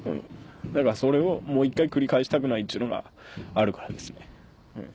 だからそれをもう１回繰り返したくないっていうのがあるからですねうん。